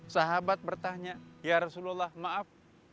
sahabat bertanya ya rasulullah maaf